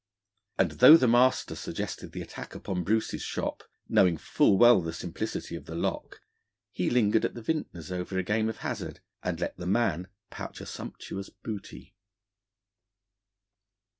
And though the master suggested the attack upon Bruce's shop, knowing full well the simplicity of the lock, he lingered at the Vintner's over a game of hazard, and let the man pouch a sumptuous booty.